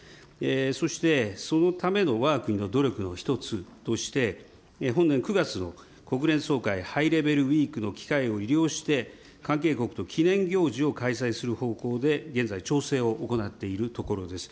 そして、そのためのわが国の努力の一つとして、本年９月の国連総会ハイレベルウィークの機会を利用して関係国と記念行事を開催する方向で、現在調整を行っているところです。